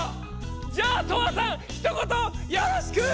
じゃあトアさん一言よろしく！